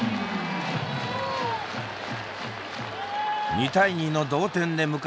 ２対２の同点で迎えた